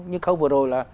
như khâu vừa rồi là